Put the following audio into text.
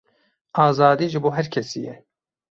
Azadî ji bo her kesî ye.